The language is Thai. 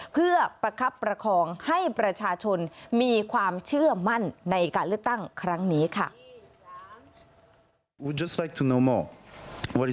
เพื่อประคับประคองให้ประชาชนมีความเชื่อมั่นในการเลือกตั้งครั้งนี้ค่ะ